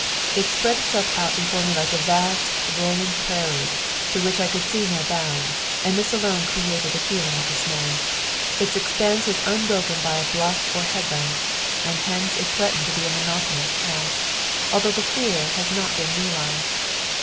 It spread itself out before me like a vast, rolling prairie, to which I could see no bound, and this alone created a feeling of dismay. Its expanse was unbroken by a bluff or headland, and hence it . threatened a monotonous task, although the fear has not been realized.